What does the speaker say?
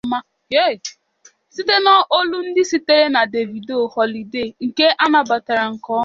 Site na olu ndị sitere na Davido, "Holiday" nke anabatara nke ọma.